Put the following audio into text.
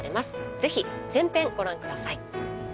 是非全編ご覧ください。